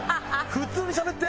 普通にしゃべって？